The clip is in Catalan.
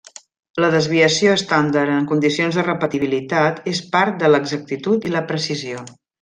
La desviació estàndard en condicions de repetibilitat és part de l’exactitud i la precisió.